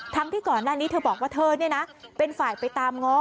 ทั้งที่ก่อนหน้านี้เธอบอกว่าเธอเนี่ยนะเป็นฝ่ายไปตามง้อ